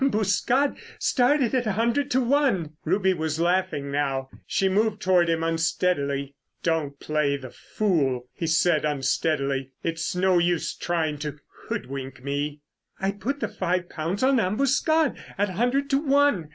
"Ambuscade started at a hundred to one." Ruby was laughing now. She moved toward him unsteadily. "Don't play the fool," he said unsteadily. "It's no use trying to—hoodwink me." "I put the five pounds on Ambuscade at a hundred to one.